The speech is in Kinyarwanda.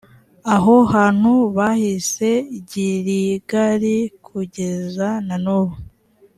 aho hantu bahise giligali kugeza na n’ubu.